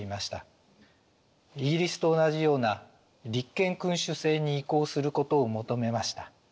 イギリスと同じような立憲君主政に移行することを求めました。